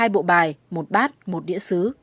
hai bộ bài một bát một đĩa xứ